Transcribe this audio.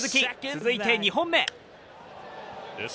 続いて２本目。